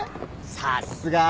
さっすが。